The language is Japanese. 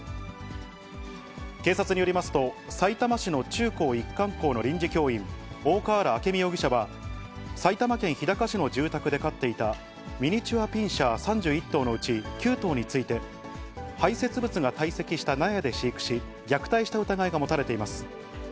警察によりますと、さいたま市の中高一貫校の臨時教員、大河原明美容疑者は、埼玉県日高市の住宅で飼っていたミニチュアピンシャー３１頭のうち９頭について、排せつ物が堆積した納屋で飼育し、虐待した疑いが持たれています。